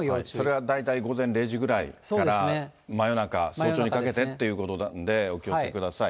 それが大体、午前０時ぐらいから真夜中、早朝にかけてっていうことなんで、お気をつけください。